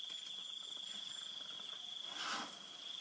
โอกาส